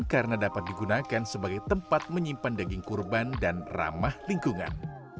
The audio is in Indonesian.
karena dapat digunakan sebagai tempat menyimpan daging kurban dan ramah lingkungan